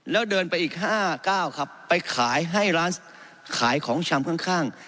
แล้วเดินไปอีก๕๙ครับไปขายให้ร้านขายของชำข้าง